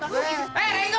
jeruk makan jeruk